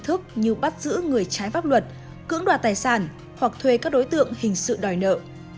thức như bắt giữ người trái pháp luật cưỡng đoạt tài sản hoặc thuê các đối tượng hình sự đòi nợ